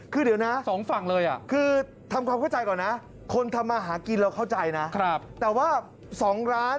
คือเดี๋ยวนะสองฝั่งเลยคือทำความเข้าใจก่อนนะคนทำมาหากินเราเข้าใจนะแต่ว่า๒ร้าน